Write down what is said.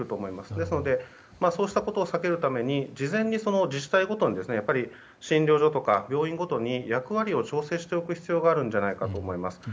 ですのでそうしたことを避けるために事前に自治体ごとに診療所や病院ごとに役割を調整しておく必要があると思います。